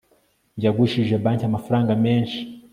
yagujije banki amafaranga menshi